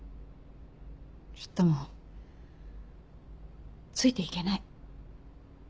ちょっともうついていけない。